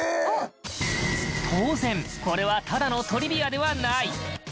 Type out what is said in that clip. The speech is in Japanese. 当然、これはただのトリビアではない！